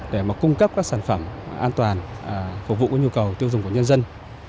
để mà cung cấp các sản phẩm an toàn phục vụ nhu cầu tiêu dùng của nhân dân